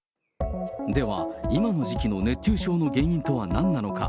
では今の時期の熱中症の原因とはなんなのか。